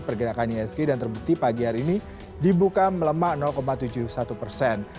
pergerakan ihsg dan terbukti pagi hari ini dibuka melemah tujuh puluh satu persen